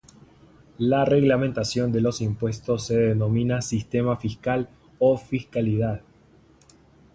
La reglamentación de los impuestos se denomina sistema fiscal o fiscalidad.